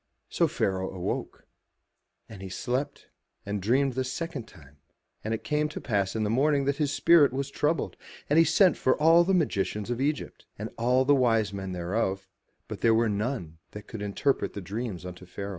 So Pharaoh awoke. And he slept and dreamed the second time And it came to pass in the morning that his spirit was troubled; and he sent for all the magicians of Egypt, and all the wise men thereof, but there was none that could interpret the dreams unto Pharaoh.